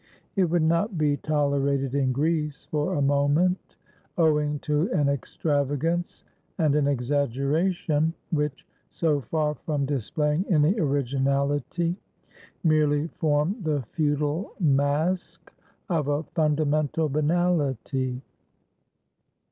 It would not be 410 WHY OVID WAS BANISHED tolerated in Greece for a moment, owing to an extrava gance and an exaggeration which, so far from displaying any originality, merely form the futile mask of a funda mental banality.